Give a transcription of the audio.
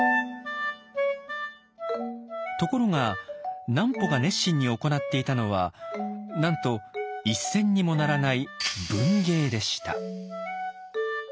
ところが南畝が熱心に行っていたのはなんと１銭にもならない「文芸」でした。